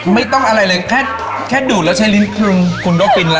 ไม่ต้องอะไรเลยแค่ดูดแล้วใช้ลิ้นคืนคุณต้องกินละ